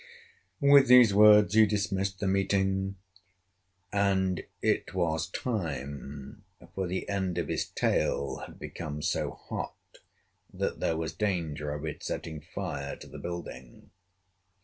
With these words he dismissed the meeting, and it was time, for the end of his tail had become so hot that there was danger of its setting fire to the building.